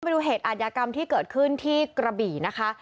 ไปดูเหตุอาทยากรรมที่เกิดขึ้นที่กระบี่นะคะ